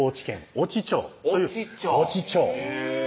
越知町